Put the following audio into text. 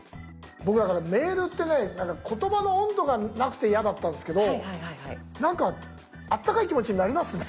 僕だからメールってね言葉の温度がなくて嫌だったんですけどなんかあったかい気持ちになりますね。